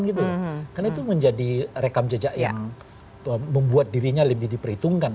karena itu menjadi rekam jejak yang membuat dirinya lebih diperhitungkan